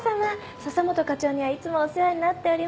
笹本課長にはいつもお世話になっております。